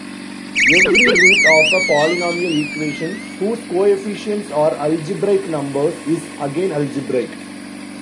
Every root of a polynomial equation whose coefficients are "algebraic numbers" is again algebraic.